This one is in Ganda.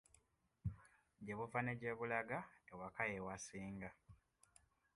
Ggye buva ne gye bulaga ewaka ye wasinga.